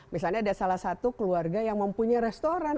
misalnya ada salah satu keluarga yang mempunyai restoran